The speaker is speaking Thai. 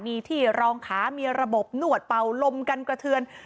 มีที่รองขามีระบบหนวดเป่าลมกันกระเทือน